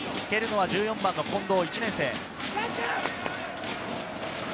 蹴るのは１４番の近藤、１年生。